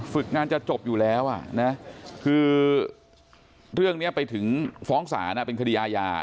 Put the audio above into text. ฝึกงานจะจบอยู่แล้วคือเรื่องนี้ไปถึงฟ้องศาลเป็นคดีอาญา